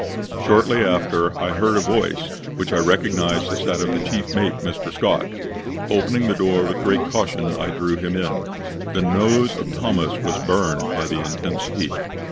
Shortly after I heard a voice, which I recognized as that of the chief mate, Mr. Scott. Opening the door with great caution, I drew him in. The nose of Thomas was burned by the intense heat.